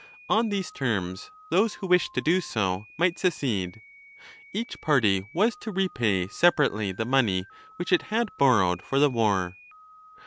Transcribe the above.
On these terms those who wished to do so might secede. Each party was to repay separately the money which it had borrowed for the war.